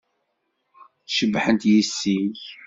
Cebḥent yessi-k.